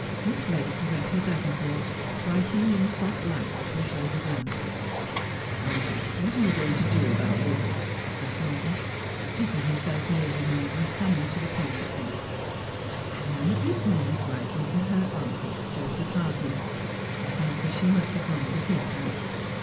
Miss Blake was at her davenport, writing in the soft light of her shaded lamp. ' Auntie, what are you going to do about Lizzie 1 ' asked Morton, seating himself near his aunt, and coming to the point at once. ' I am at this moment writing to her uncle, Joseph Hardman. I fancy she must have gone to his house.